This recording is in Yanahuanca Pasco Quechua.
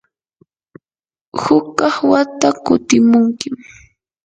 hukaq wata kutimunkim.